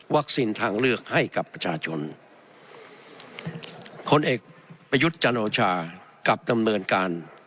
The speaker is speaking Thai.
ทางเลือกให้กับประชาชนคนเอกประยุทธ์จันโอชากลับดำเนินการ